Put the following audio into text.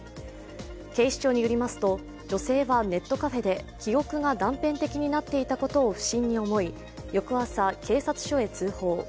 警視庁によりますと女性はネットカフェで記憶が断片的になっていたことを不審に思い翌朝、警察署へ通報。